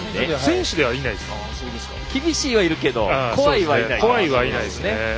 厳しいはいるけど怖いはいないですね。